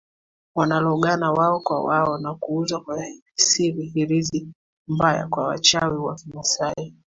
Wanalogana wao kwa wao na kuuza kwa siri hirizi mbaya kwa wachawi wa Kimasai